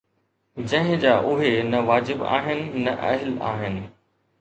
جنهن جا اهي نه واجب آهن ۽ نه اهل آهن